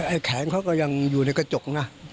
ไอ้แขนเขาก็ยังอยู่ในกระจกนะ